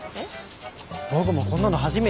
僕もこんなの初めて見た。